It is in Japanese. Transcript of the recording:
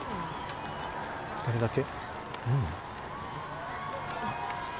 ２人だけ？